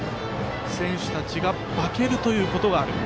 選手たちが化けるということがある。